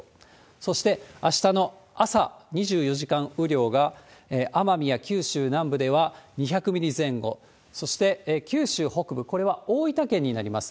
そして、あしたの朝、２４時間雨量が奄美や九州南部では２００ミリ前後、そして、九州北部、これは大分県になります。